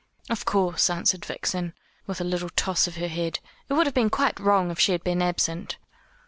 "Of course," answered Vixen, with a little toss of her head; "it would have been quite wrong if she had been absent."